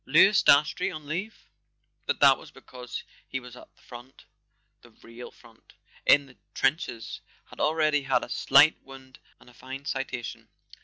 Louis Dastrey on leave? But that w T as because he was at the front, the real front, in the trenches, had already had a slight w r ound and a fine citation.